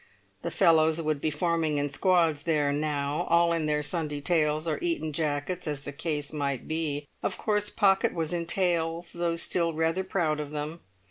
The fellows would be forming in squads there now, all in their Sunday tails or Eton jackets as the case might be; of course Pocket was in tails, though still rather proud of them.